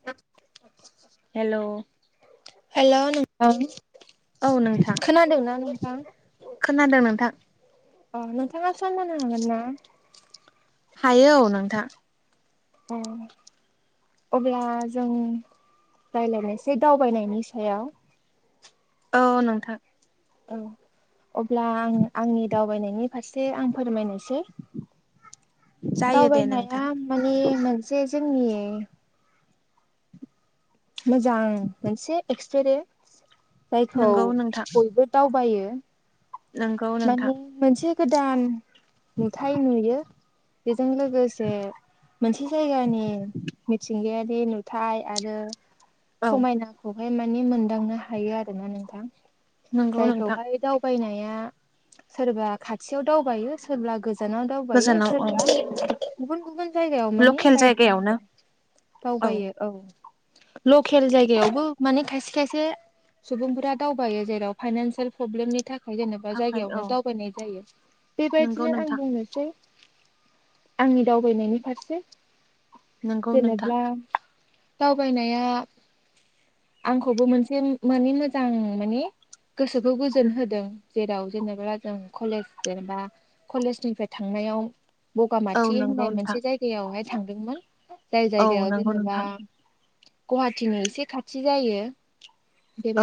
[unintelligible] हेल' hello नोंथां औ नोंथां खोनादोंना नोंथां? खोनादों नोंथां अ नोंथांङा सम होनोनो हागोन ना? हायो औ नोंथां। अह अब्ला जों रायज्लायनायसै दावबायनायनि सायाव। औ नोंथां। औ अब्ला आं आंनि दावबायनायनि फारसे आं फोरमायनोसै। जायो दे दावबायनाया नोंथां माने मोनसे जोंनि मोजां मोनसे एक्सपिरियेन्स जायखौ नोंगौ नोंथां बयबो दावबायो। नोंगौ नोंथां माने मोनसे गोदान नुथाय नुयो। बेजों लोगोसे मोनसे जायगानि मिथिंगायारि नुथाय आरो औ समायनाखौहाय माने मोनदांनो हायो आरोना नोंथां नोंगौ नोंथां जायखौहाय दाव बायनाया सोरबा खाथियाव दावबायो सोरबा गोजा नाव दावबायो गोजानाव औ सोरबा गुबुन गुबुन जायगायाव माने लकेल बायदि जायगायावनो दावबायो औ। लकेल जायगायावबो माने खायसे खायसे सुबुंफोरा दावबायो जेराव फाइनान्सियेल प्रब्लेमनि थाखाय जेनेबा थाखाय जायगायावनो औ दावबायनाय जायो नोंगौ बेबायदिनो आं नोंथां बुंङो जे आंनि दावबायनायनि फारसे नोंगौ नोंथां जेनेब्ला दावबायनाया आंखौबो मोनसे मानि मोजां माने गोसोखौ गोजोन होदों। जेराव जेनेबा जों कलेज जेनेबा कलेजनिफ्राय थांनायाव औ बगामाथि नोंगौ होननाय नोंथां मोनसे जायगायावहाय थांदोंमोन जाय औ जायगायाव नोंगौ जेनेबा नोंथां गुवाहाटिनो एसे खाथि जायो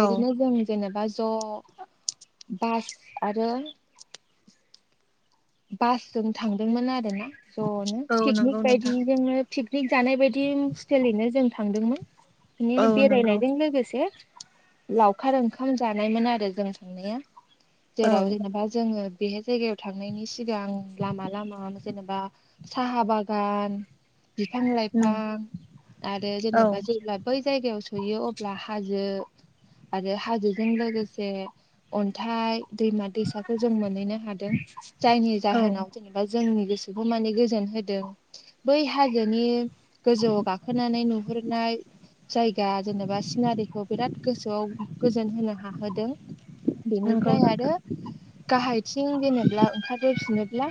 औ जों जेनेबा ज' बास आरो बासजों थांदोंमोन आरो ना ज'नो औ पिकनिक नोंगौ बायदि नोंथां जोंनो पिकनिक जानाय बायदि स्टलिनो जों थांदोंमोन। बिनि औ नोंगौ बेरायनायजों लोगोसे लावखार ओंखाम जानायमोन आरो जों बेवनो औ जेराव जेनेबा जोङो बेहाय जायगायाव थांनायनि सि गां सिगां लामा लामा जेनेबा साहा बागान बिफां नों लाइफां आरो औ जेनेबा जेब्ला बै जायगायाव सयोयो अब्ला हाजो आरो हाजोजों लोगोसे अन्थाइ दैमा दैसाखौ जों मोनहैनो हादों। जायनि औ जाहोनाव जेनेबा जोंनि गोसोखौ माने गोजोन होदों। बै हाजोनि गोजौआव गाखोनानै नुहुरनाय जायगा जेनेबा सिनारिखौ बिराद गोसोआव गोजोन होनो हाहोदों। नोंगौ बिनिफ्राय नोंथां आरो गाहायथिं जेनेा ओंखारबोफिनोब्ला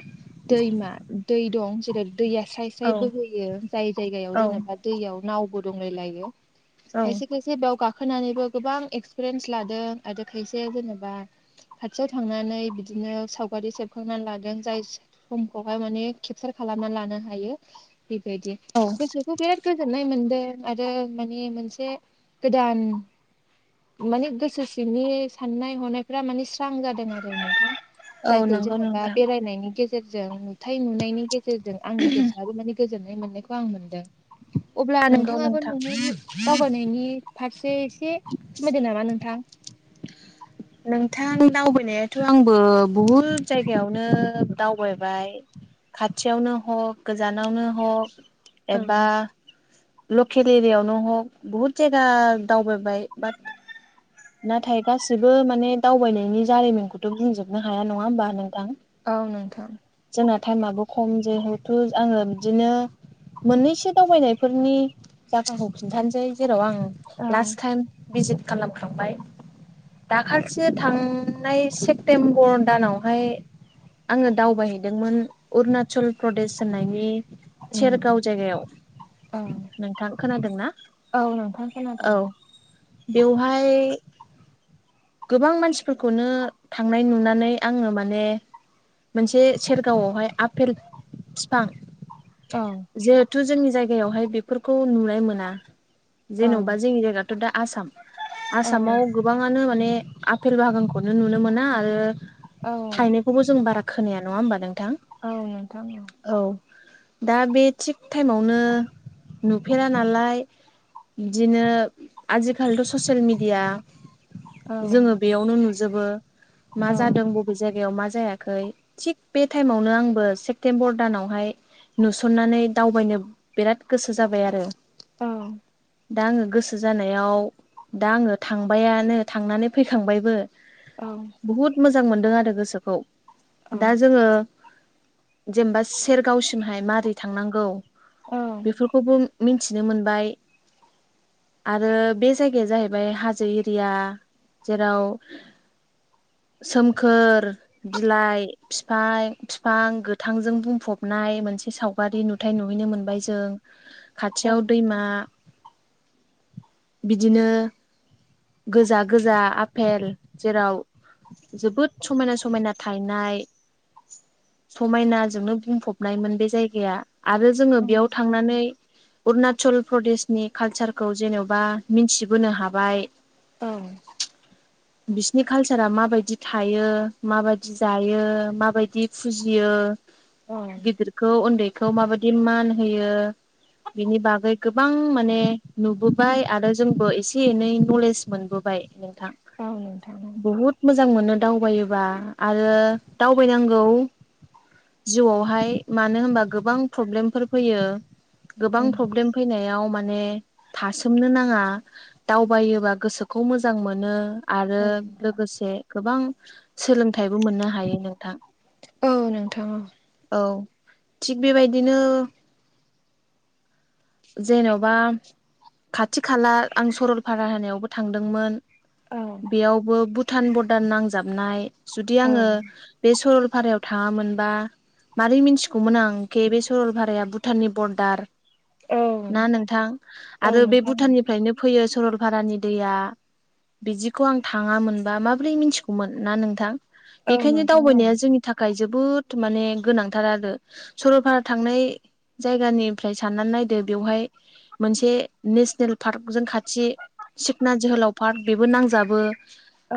दैमा दै दं जेरै दैया स्राय स्राय औ बोहोयो जाय जायगायाव औ जेनेबा दैयाव नावबो दंलायलायो औ खायसे खायसे बेयाव गा होनानैबो गोबां एक्सपिरियेन्स लादों आरो खायसे जेनेबा खाथियाव थांनानै बिदिनो सावगारि होखांना लादों जाय समखौहाय माने केपचार खालामना लानो हायो बे बायदि औ बे खौ बिराद गोजोननाय मोन्दों आरो माने मोनसे गोदान माने गोसो सिंनि साननाय हनायफ्रा माने स्रां जादों आरो औ जायखौ नोंगौ जेनेबा नोंथां बेरायनायनि गेजेर गेजेरजों नुथाय नुनायनि गेजेरजों आंनि गोसोआबो माने गोजोननाय मोननायखौ आं मोनदों अब्ला नोंगौ नोंथांङाबो नोंथां नु दावबायनायनि फारसे एसे सोमोनायदो नामा नोंथां नोंथां दावबायनायाथ' आंबो बुहुद जायगायाव नो दावबायबाय खाथियावनो हक गोजानावनो हक औ एबा लकेल एरियायावनो हग बहुद जायगा दावबायबाय बाट नाथाय गासै जेबो माने दावबायनायनि जारिमिनखौथ' बुंजोबनो हाया नङा होमबा नोंथां औ नोंथां जोंना टाइमाबो खम जिहेथु आङो बिदिनो मोननैसो दावबायनायफोरनि जाहोनखौ खिन्थानोसै जेराव आं लास्ट टाइम भिजित खालामखांबाय दाखालिसो थांनाय सेप्तेम्बर दानावहाय आङो दावबायहैदोंमोन अरुनाचल प्रदेश होननायनि उम सेरगाव जायगायाव औ नोंथां खोनादों ना औ नोंथां खोनादों औ बेवहाय गोबां मानसिफोरखौनो थांनाय नुनानै आङो माने मोनसे सेरगावआवहाय आफेल बिफां औ जिहेथु जोंनि जायगायावहाय बेफोरखौ नुनाय मोना औ जेन'बा जोंनि जायगाथ' दा आसाम औ आसामाव गोबाङानो माने आपेल बागानखौनो नुनो मोना आरो औ थायना बेखौबो जों बारा खोनाया नङा होनबा नोंथां औ नोंथां औ औ दा बे थिग टाइमावनो नुफेरा नालाय बिदिनो आजिखालिथ' ससियेल मेडिया औ जोङो बेयावनो नुजोबो मा औ जादों बबे जायगायाव मा जायाखै थिग बे टाइमावनो आंबो सेप्तेम्बर दानावहाय नुसननानै दावबायनो बिराद गोसो जाबाय आरो औ दा आङो गोसो जानायाव दा आङो थांबायानो थांनानै फैखांबायबो औ बुहुत मोजां मोनदों आरो गोसोखौ औ दा जोङो जेनेबा सेरगावसिमहाय मारै थांनांगौ बेफोरखौबो मिथिनो मोनबाय आरो बे जायगाया जाहैबाय हाजो एरिया जेराव सोमखोर बिलाइ बिफां बिफां गोथांजों बुंफबनाय मोनसे साव बारि नुथाय नुहैनो मोनबाय जों [inaudible] खाथियाव दैमा बिदिनो गोजा गोजा आफेल जेराव जोबोद समायना समायना थायनाय समायनाजोंनो बुंफबनायमोन बे जायगाया आरो जोङो बेयाव थांनानै अरुणाचल प्रदेशनि कालचारखौ जेन'बा मिथिबोनो हाबाय औ। बिसिनि कालसारा माबायदि थायो माबायदि जायो माबायदि फुजियो। औ गिदिरखौ उन्दैखौ माबायदि मान होयो। बेनि बागै गोबां माने नुबोबाय आरो जोंबो एसे एनै नलेज मोनबोबायो नोंथां औ नोंथां औ बुहुद मोजां मोनो दावबायोबा आरो दावबायनांगौ। जिउआवहाय मानो होनबा गोबां प्रब्लेमफोर फैयो गोबां उम प्रब्लेमा फैनायाव माने थासोमनो नाङा दावबायोबा गोसोखौ मोजां। मोजां मोनो आरो औ नोंथां लोगोसे गोबां सोलोंथाइबो मोननो हायो नोंथां। औ नोंथां औ। औ थिग बेबादिनो जेने'बा खाथि खाला आं सरलपारा होनायावबो थांदोंमोन बेयावबो भुटान बरडार नांजाबनाय जुदि औ आङो बे सरलपारायाव थाङामोनबो मारै मिथिगौमोन आं केे बे सरल भाराया भुटाननि बरडारो औ ना नोंथां औ आरो बे नोंथां भुटाननिफ्रायनो फैयो सरलपारानि दैयाबो बिदिखौ आं थाङामोनबा माबोरै मिथिगौमोन ना नोंथां औ बेखायनो नोंथां दावबायनाया जोंनिआ थाखाय जोबोद माने गोनांथार आरो सरलपारा थांनाय जायगानिफ्राय साननानै नायदो बेवहायो मोनसे नेसनेल पार्क जों खाथि सिखना जोहोलावा पार्क बेबो नांजाबो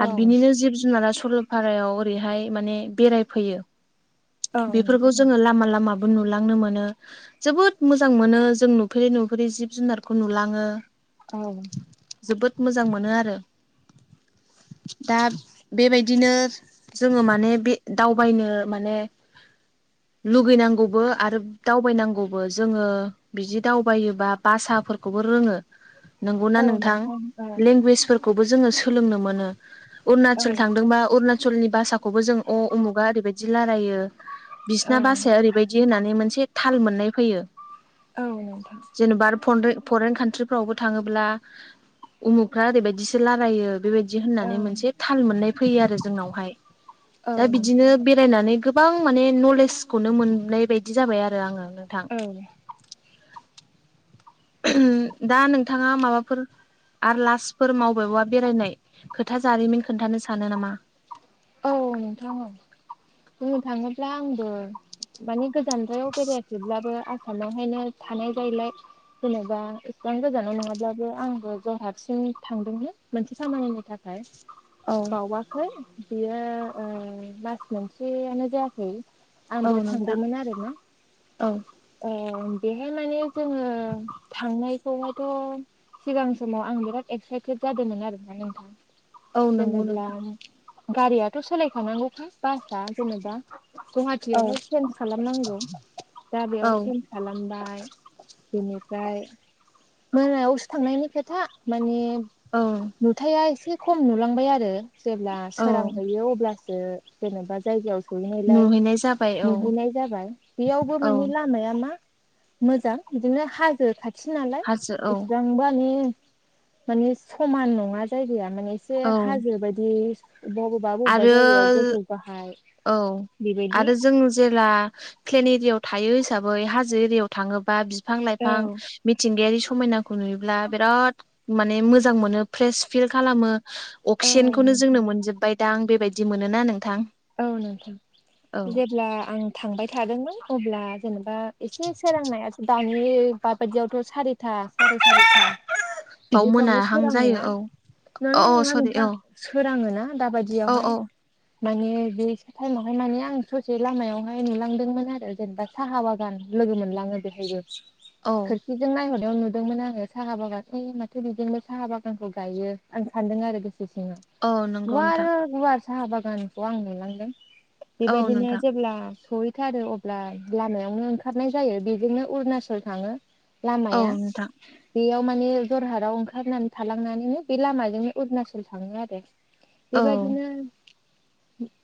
औ आरो बिनिनो जिब जुनारा सल' पारायाव ओरैहाय माने बेराय फैयो औ बेफोरखौ नोंथां जोङो लामा लामा। नुलांनो मोनो। जोबोद मोजां मोनो जों नुफेरै नुफेरै जिब जुनारखौ नुलाङोबा औ। जोबोद मोजां मोनो आरो दा बेबादिनो जोङो माने बे दावबायनो माने लुगैनांगौबो आरो दावबायनांगौबो जोङो बिदि दावबायोबा भासाफोरखौबो रोङोबो नंगौना औ नोंथां औ लेंगुवेजफोरखौबो जोङो सोलोंनो मोनो औ अरुणाचल थांदोंबो अरुणाचलनि भासाखौबो जों अ उमुगा ओरैबायदि रायलायो औ बिसिना भाषाया ओरैबादि बिदि होननानै मोनसे थाल मोननाय फैयो। औ नोंथां। जेनेबा आरो फरेन कान्ट्रिफ्रावबो थाङोब्ला। उमुखफ्रा ओरैबायदिसो रायलायो बेबायदि औ होननानै मोनसे थाल मोननाय फैयो आरो जोंनावहायो औ दा बिदिनो बेरायनानै गोबां गोबां माने नलेजखौनो मोननाय बायदि जाबाय आरो आङो नोंथां। औ। दा नोंथाङा माबाफोरो आरो लास्फोर मावबेबा बेरायनाय खोथा जारिमिन खोन्थानो सानो नामा? औ नोंथां बुंनो थाङोब्ला आंबो माने जानद्रायाव बेरायाखैब्लाबो आसामावहायनो थानाय जायैलायो जेनेबा इसेबां गोजानाव नङाब्लाबो आंबो जरहातसिम थांदोंमोन मोनसे खामानिनि थाखाय। ओमफ्राय औ बावाखै। बियो मास मोनसेयानो जायाखै। आं औ बेयाव नोंथां थांदोंमोन आरोना। औ बेहाय माने जोङो थांनायखौहायथ'नो सिगां समाव आं बिराद एक्साइटेड जादोंमोन आरोना नोंथां। औ नंगौ जेनेब्ला नोंथां। गारियाथ' सोलायखानांगौखा बासआ जेनेबा गहा टियावहाय औ बेवहाय सेन्ज खालामनांगौ दा बेयाव औ सेनस खालामबाय बेनिफ्राय मोनायावसो थांनायनि खोथा माने औ नुथाया एसे खम नुलांबाय आरो जेब्ला औ सोरांहैयो अब्ला सो जेनेबा जायगायाव सहैनायलाय नुहैनाय जाबाय औ नुहैनाय जाबाय बेयावबो औ मानि लामाया मा मोजां बिदिनो हाजो खाथि नालाय हाजो औ इसिबां मानि माने समान नङा जायगाया माने एसे औ हाजो बायदि अबबा अब बा जायगायाव आरो गोजौ गाहाय औ बेबायदि आरो जों जेला प्लेन एरियाव थायो हिसाबै हाजो एरियाव थाङोबा बिफां औ लाइफां मिथिंगायारि समायना नुयोब्ला बिराद माने मोजां मोनो फ्रेस फिल खालामो औ अक्सिजेनखौनो जोंनो नोंथां मोनजोबबाय दां आं बेबायदि मोनो ना नोंथां औ नोंथां औ जेब्ला आं थांबाय थादोंमोन अब्ला जेनेबा एसे सोरांनाय दानि बाबायदियावथ' सारि था फरायसालि बाव बिदिफ्रावनो मोनाहां सोरांडो जायो ना औ अ नोंगौ ना औ नङा सरि नोंथां औ सोराङोना औ दाबायदियावहाय औ माने बे टाइमावहाय मानि आं ससे लामायावहाय नुलांदोंमोन आरो जेनेबा साहा बागान लोगो मोनलाङो बेहायबो औ खोरखि जों नायहरनायाव नुदोंमोन आङो साहा बागान ओइ माथो बिदिनोबो साहा बागानखौ गायो आं सानदों आरो गोसो सिङाव औ नंगौ गुवार नोंथां गुवार साहा बागानखौ आं नुलांदों औ बेबायदिनो नोंथां जेब्ला सहैथारो ब्ला लामायावनो ओंखारनाय जायो बेजोंनो अरुनाचल थाङो औ लामाया नोंथां बेयाव माने जरहाटाव ओंखारनानै थालांनानैनो बे लामाजोंनो अरुणाचल थाङो आरो औ बेबायदिनो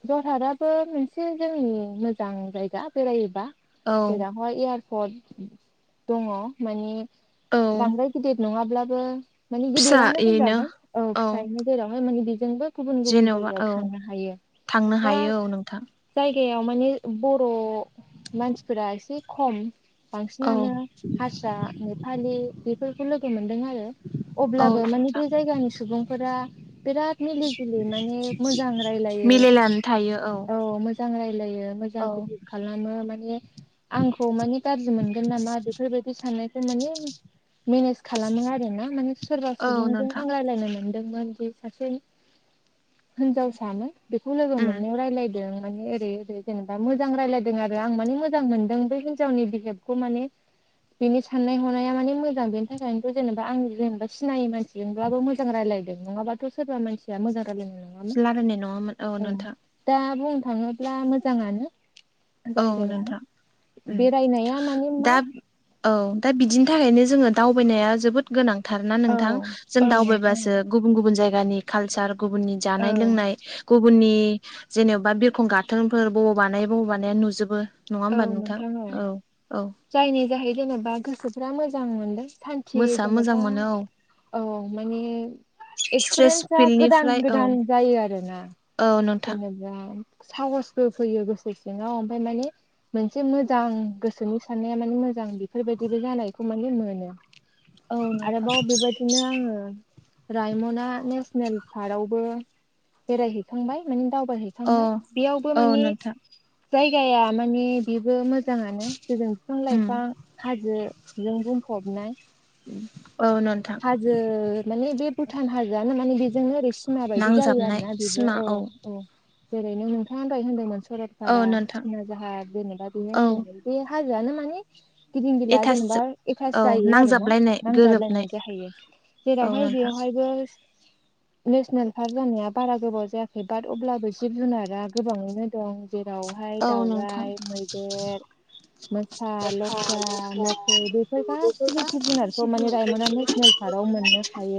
जरहाटाबो मोनसे जोंनि मोजां जायगा बेरायहैबा औ जेराव अ एयारपर्ट दङ माने औ बांद्राय गिदिर नङाब्लाबो माने गिदिरानो फिसायैनो होनजागोन औ फिसायैनो जेरावहाय माने बेजोंबो गुबुन गुबुन जेन'बा जायगायाव औ थांनो हायो थांनो दा हायो औ नोंथां जायगायाव माने बर' मानसिफोरा एसे खम औ बांसिनानो हारसा नेपालि बेफोरखौ लोगो मोनदों आरो औ अब्लाबो मानि नोंथां बे जायगानि सुबुंफोरा बिराद मिलि जुलि माने मोजां रायलायो मिलायनानै थायो औ मोजां रायलायो मोजां बिदि खालामो माने आंखौ मानि गाज्रि मोनगोन नामा बेफोरबायदि साननायखौ माने मेनेज खालामो आरो ना माने सोरबा औ सुबुंजों नोंथां आं रायलायनो मोन मोन जों सासे हिनजावसामोन बेखौ लोगो उम मोननायाव रायजलायदों माने ओरै ओरै जेनेबा मोजां रायजलायदों आरो आं माने मोजां मोनदों बे हिजावनि बिहेबखौ माने बेनि साननाय हनाया मानि मोजां बेनि थाखायनोथ' जेनेबा आं जेनेबा सिनायै मानसि जोंब्लाबो मोजां रायलायदों नङाबाथ' सोरबा मानसिया मोजां रायलायनाय नङा रायलायनाय नङामोन औ नोंथां दा बुंनो थाङोब्ला मोजाङानो औ जायगाया नोंथां उम बेरायनाया माने दा मा औ दा बिदिनि थाखायनो जोङो दावबायनाया जोबोद गोनां थारना औ नोंथां जों औ नोंथां औ दावबायबासो गुबुन गुबुन जायगानि कालचार गुबुननि औ जानाय लोंनाय गुबुननि जेन'बा बिरखं गाथोनफोर बबाव बानाय बबाव बानाय माने नुजोबो औ नोंथां औ औ जायनि जाहै जेनेबा गोसोफ्रा मोजां मोनदों सान मोसा मोजां जेनेबा मोनो औ औ माने स्ट्रेस एक्सपिरियेन्सा गोदान फिल्डनिफ्राय औ गोदान जायो आरोना औ नोंथां दा साहसबो फैयो गोसो सिङाव ओमफ्राय मानि मोनसे मोजां गोसोनि साननाया माने मोजां बेफोरबायदिबो जानायखौ माने नुनो मोनो। औ नोंथां आरोबाव बेबायदिनो आङो रायमना नेसनेल पार्कआवबो बेरायहैखांबाय माने औ दावबायहैखांबाय बेयावबो औ माने नोंथां जायगाया माने बेबो मोजाङानो जेरै बिफां उम लाइफां हाजो जों बुंफबनाय औ नोंथां जो माने बे भुटान हाजोआनो माने बेजोंनो ओरै सिमा बायदि जायो आरो नांजाबनाय ना बेबो सिमा औ अ जेरैनो नोंथां दहाय होनदोंमोन औ सरलपारा नोंथां सिना जाहार जेनेबा बेनो औ होनदोंमोन। बे हाजोआनो माने गिदिं गिला जेनेबा एथासजोब एभास औ जायो आरो ना नांजाबलायनाय गोरोबनाय नांजाबलायनाय। जाहैयो औ जेरावहाय नोंथां बेयावहायबो नेसनेल पार्क जानाया बारा गोबाव जायाखै बाट अब्लाबो जिब जुनारा गोबाङैनो दं। जेराव ओमफाय औ नोंथां दाउराइ मैदेर मोसा लख्रा मोफौ बेफोर गासिबो जिब जुनारखौ माने रायमना नेसनेल पार्क आव मोननो हायो।